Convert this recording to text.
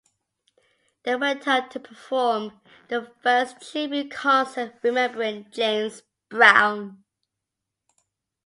They went on to perform the first tribute concert remembering James Brown.